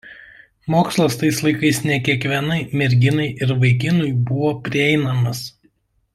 Mokslas tais laikais ne kiekvienai merginai ir vaikinui buvo prieinamas.